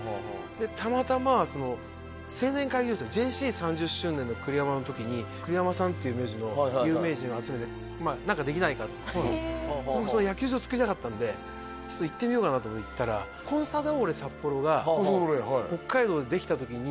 たまたま青年会議所のＪＣ３０周年の栗山の時に栗山さんっていう苗字の有名人を集めて何かできないかってその野球場つくりたかったんでちょっと行ってみようかなと思って行ったらああそうなんだ